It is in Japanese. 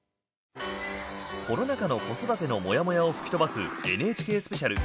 コロナ禍の子育てのモヤモヤを吹き飛ばすＮＨＫスペシャル